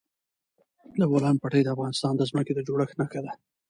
د بولان پټي د افغانستان د ځمکې د جوړښت نښه ده.